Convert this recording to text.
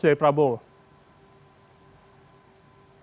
bagaimana cara menurut pak prabowo